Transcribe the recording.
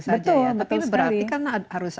saja ya betul sekali tapi ini berarti kan harus